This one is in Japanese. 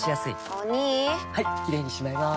お兄はいキレイにしまいます！